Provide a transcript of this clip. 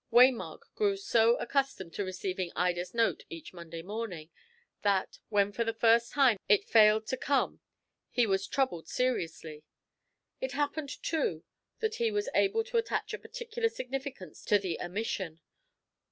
Waymark grew so accustomed to receiving Ida's note each Monday morning, that when for the first time it failed to come he was troubled seriously. It happened, too, that he was able to attach a particular significance to the omission.